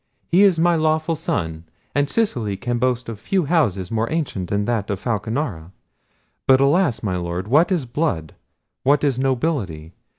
He is my lawful son, and Sicily can boast of few houses more ancient than that of Falconara. But alas! my Lord, what is blood! what is nobility!